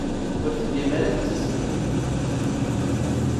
Ur tellim ara tettasmem.